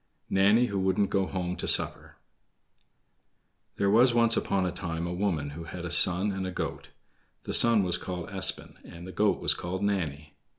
Nanny Who Wouldn't Go Home to Supper There was once upon a time a woman who had a son and a goat. The son was called Espen and the goat was called Nanny.